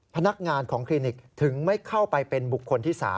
พนักงานของคลินิกถึงไม่เข้าไปเป็นบุคคลที่๓